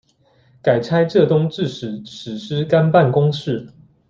改差浙东制置使司干办公事。